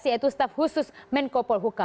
yaitu staff khusus menko polhuka